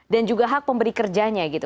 dan juga hak pemberi kerjanya gitu